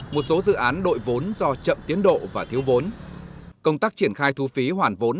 một số dự án đội vốn do chậm tiến độ và thiếu vốn